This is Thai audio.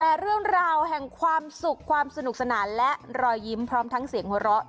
แต่เรื่องราวแห่งความสุขความสนุกสนานและรอยยิ้มพร้อมทั้งเสียงหัวเราะ